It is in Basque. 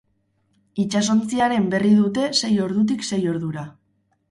Itsasontziaren berri dute sei ordutik sei ordura.